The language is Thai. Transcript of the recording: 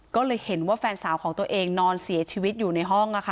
ก็เลยเห็นว่าแฟนสาวของตัวเองนอนเสียชีวิตอยู่ในห้อง